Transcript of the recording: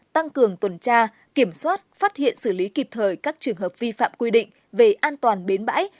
tăng cường tuần tra kiểm soát phát hiện xử lý kịp thời các trường hợp vi phạm quy định về an toàn bến bãi